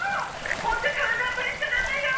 ホント体は無理しちゃダメよ。